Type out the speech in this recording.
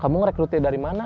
kamu ngerekrut dia dari mana